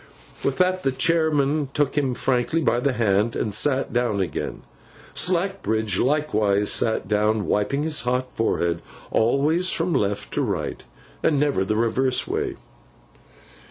With that, the chairman shook him frankly by the hand, and sat down again. Slackbridge likewise sat down, wiping his hot forehead—always from left to right, and never the reverse way.